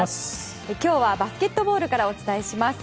今日はバスケットボールからお伝えします。